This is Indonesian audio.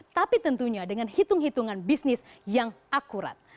tapi tentunya dengan hitung hitungan bisnis yang akurat